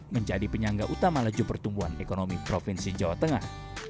menjadi penyangga utama laju pertumbuhan ekonomi provinsi jawa tengah